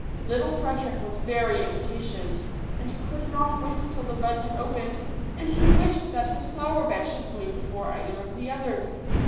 Little Frederick was very impatient, and could not wait till the buds had opened ; and he wished that his flower bed should bloom before either of the others.